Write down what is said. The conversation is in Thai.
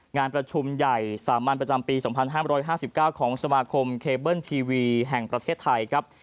งานประชุมใหญ่สามัญประจำปี๒๕๕๙ของสมาคมเคเบิ้ลทีวีแห่งประเทศไทยครับ